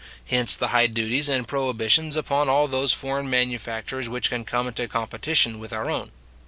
Hence the high duties and prohibitions upon all those foreign manufactures which can come into competition with our own.